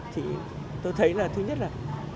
thì tôi thấy là thứ nhất là